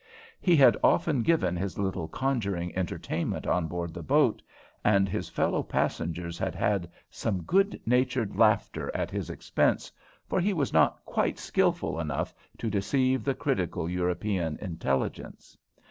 He had often given his little conjuring entertainment on board the boat, and his fellow passengers had had some good natured laughter at his expense, for he was not quite skilful enough to deceive the critical European intelligence.